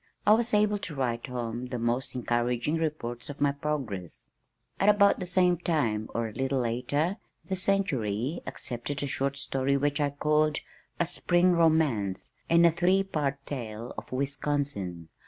I was able to write home the most encouraging reports of my progress. At about the same time (or a little later) the Century accepted a short story which I called A Spring Romance, and a three part tale of Wisconsin.